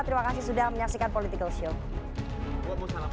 terima kasih sudah menyaksikan political show